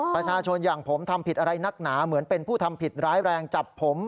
ประชาชนอย่างผมทำผิดอะไรนักหนาเหมือนเป็นผู้ทำผิดร้ายแรงจับผม